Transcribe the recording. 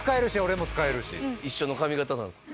一緒の髪型なんですか？